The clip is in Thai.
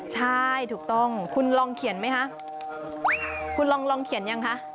ใช่ถูกต้องคุณลองเขียนไหมคะคุณลองเขียนยังคะ